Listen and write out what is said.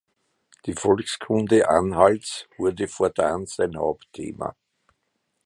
Die Volkskunde Anhalts wurde fortan sein Hauptthema.